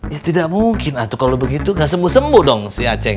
ya tidak mungkin atau kalau begitu nggak sembuh sembuh dong si aceh